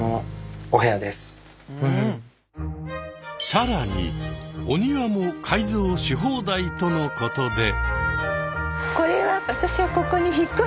さらにお庭も改造し放題とのことで。